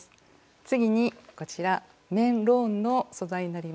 次にこちら綿ローンの素材になります。